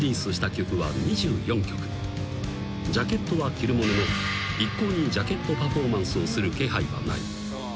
［ジャケットは着るものの一向にジャケットパフォーマンスをする気配はない］